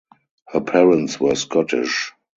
Her parents were Scottish.